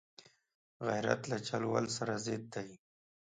غیرت له چل ول سره ضد دی